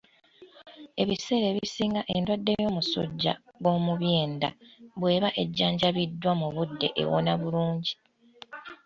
Ebiseera ebisinga endwadde y'omusujja gw'omu byenda bw'eba ejjanjabiddwa mu budde ewona bulungi